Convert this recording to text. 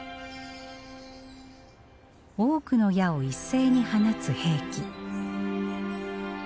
多くの矢を一斉に放つ兵器。